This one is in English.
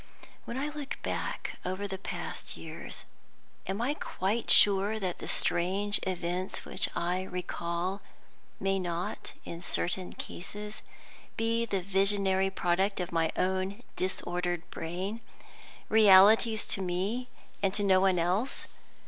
When I look back over the past years, am I quite sure that the strange events which I recall may not, in certain cases, be the visionary product of my own disordered brain realities to me, and to no one else?